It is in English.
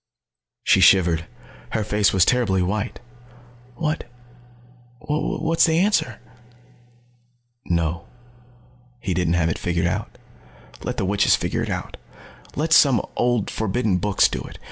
_" She shivered. Her face was terribly white. "What what is the answer?" No. He didn't have it figured out. Let the witches figure it out. Let some old forbidden books do it.